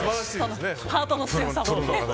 ハートの強さも。